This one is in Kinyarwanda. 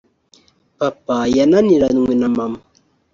Papa yananiranywe na mama